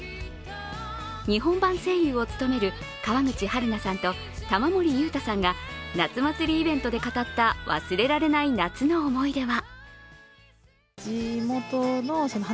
日本版声優を務める川口春奈さんと玉森裕太さんが夏祭りイベントで語った忘れられない夏の思い出は？